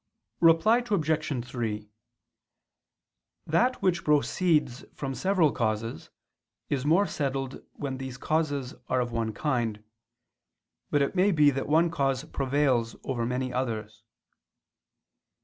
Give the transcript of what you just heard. Reply Obj. 3: That which proceeds from several causes, is more settled when these causes are of one kind: but it may be that one cause prevails over many others.